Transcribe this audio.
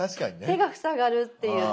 手が塞がるっていうね。